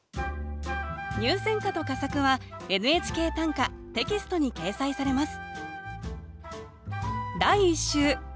入選歌と佳作は「ＮＨＫ短歌」テキストに掲載されます